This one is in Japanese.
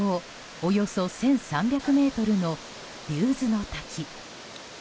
およそ１３００ｍの竜頭ノ滝。